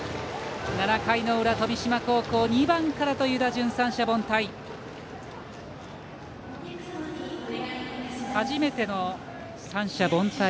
７回の裏、富島高校２番からという打順三者凡退。